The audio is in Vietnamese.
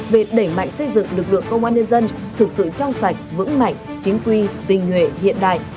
về đẩy mạnh xây dựng lực lượng công an nhân dân thực sự trong sạch vững mạnh chính quy tình nguyện hiện đại